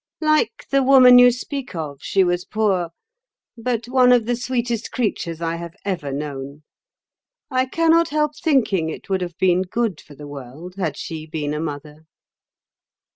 "Like the woman you speak of, she was poor, but one of the sweetest creatures I have ever known. I cannot help thinking it would have been good for the world had she been a mother."